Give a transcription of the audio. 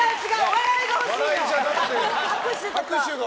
笑いが欲しいの！